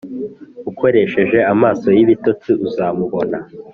ukoresheje amaso y'ibitotsi uzamubona